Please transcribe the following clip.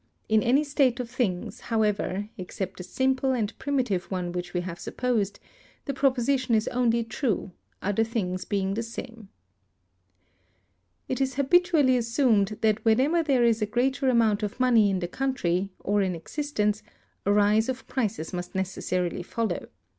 In any state of things, however, except the simple and primitive one which we have supposed, the proposition is only true, other things being the same. It is habitually assumed that whenever there is a greater amount of money in the country, or in existence, a rise of prices must necessarily follow.